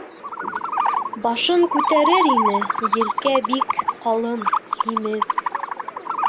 — Башын күтәрер ине, елкә бик ҡалын, һимеҙ.